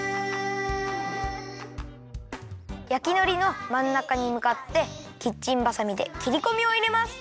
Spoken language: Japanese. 焼きのりのまんなかにむかってキッチンバサミできりこみをいれます。